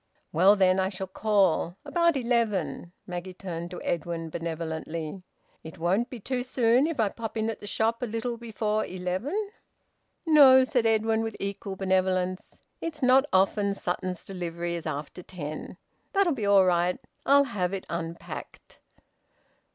"Well, then, I shall call. About eleven." Maggie turned to Edwin benevolently. "It won't be too soon if I pop in at the shop a little before eleven?" "No," said Edwin with equal benevolence. "It's not often Sutton's delivery is after ten. That'll be all right. I'll have it unpacked."